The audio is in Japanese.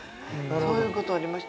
そういう事ありました。